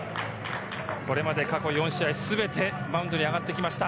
これまで過去４試合すべてマウンドに上がってきました。